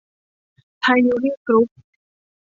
ไทยยูเนี่ยน กรุ๊ป